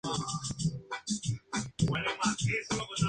Francois falleció, en tanto que Pierre sufrió graves heridas.